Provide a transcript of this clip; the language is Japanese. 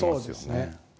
そうですね。